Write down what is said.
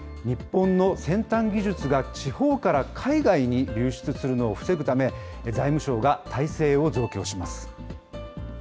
日本の先端技術が地方から海外に流出するのを防ぐため、財務省が体制を増強します。